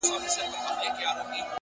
د حقیقت لاره وجدان آراموي!